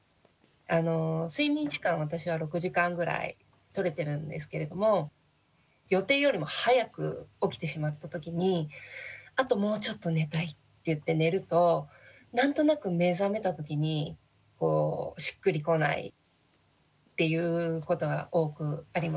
睡眠時間私は６時間ぐらいとれてるんですけれども予定よりも早く起きてしまった時にあともうちょっと寝たいっていって寝ると何となく目覚めた時にしっくりこないっていうことが多くあります。